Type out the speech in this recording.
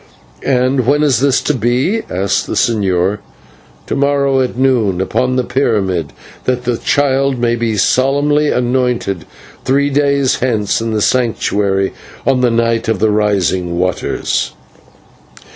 "And when is this to be," asked the señor. "To morrow, at noon, upon the pyramid, that the child may be solemnly anointed three days hence in the Sanctuary, on the night of the Rising of Waters."